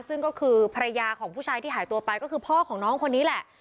ซึ่งก็คือภรรยาของผู้ชายที่หายตัวไปก็คือพ่อของน้องคนนี้แหละ